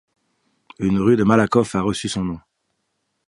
Une rue de Malakoff a reçu son nom.